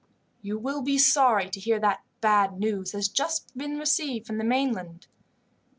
"You will be sorry to hear that bad news has just been received from the mainland.